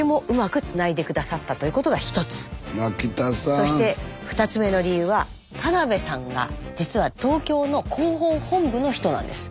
そして２つ目の理由は田辺さんが実は東京の広報本部の人なんです。